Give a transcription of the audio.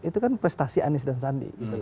itu kan prestasi anies dan sandi